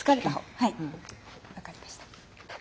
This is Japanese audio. はい分かりました。